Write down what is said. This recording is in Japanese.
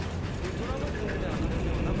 えっ！ドラム譜みたいな形では。